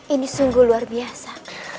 ini sungguh luar biasa